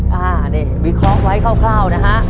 อ่านี่วิเคราะห์ไว้คร่าวนะฮะ